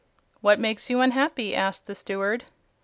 "What makes you unhappy?" asked the Steward.